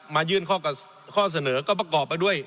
ยื่นข้อเสนอก็ประกอบไปด้วย